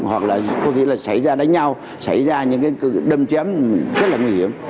hoặc là có khi là xảy ra đánh nhau xảy ra những cái đâm chém rất là nguy hiểm